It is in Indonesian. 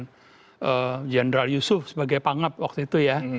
presiden soekarno partemanku presiden soeharto dengan jendral yusuf sebagai pangab waktu itu ya